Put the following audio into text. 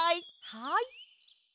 はい。